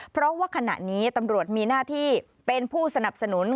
เพราะว่าขณะนี้ตำรวจมีหน้าที่เป็นผู้สนับสนุน